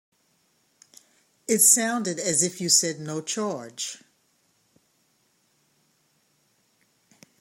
It sounded as if you said no charge.